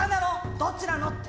どっちなの？って。